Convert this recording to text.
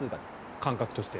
感覚として。